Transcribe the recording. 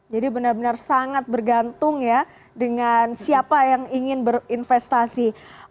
jadi benar benar sangat bergantung ya dengan siapa yang ingin berinvestasi